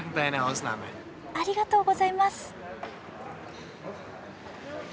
ありがとうございます。